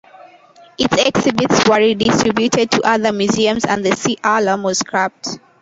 Its exhibits were redistributed to other museums and the "Sea Alarm" was scrapped.